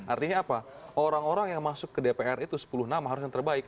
artinya apa orang orang yang masuk ke dpr itu sepuluh nama harus yang terbaik